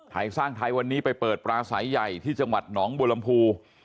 ไทยสร้างไทยวันนี้ไปเปิดปลาสายใหญ่ที่จังหวัดหนองบัวลำพู